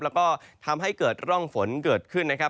แล้วก็ทำให้เกิดร่องฝนเกิดขึ้นนะครับ